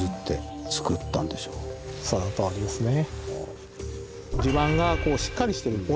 そのとおりですね。